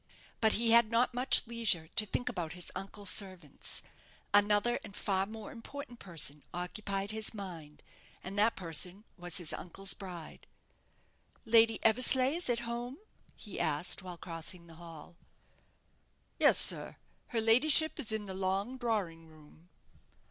But he had not much leisure to think about his uncle's servants. Another and far more important person occupied his mind, and that person was his uncle's bride. "Lady Eversleigh is at home?" he asked, while crossing the hall. "Yes, sir; her ladyship is in the long drawing room."